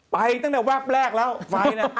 ปั๊ยตั้งแต่วัครรกษ์แรกก็เอา